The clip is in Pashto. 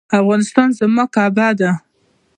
افغانستان زما کعبه ده؟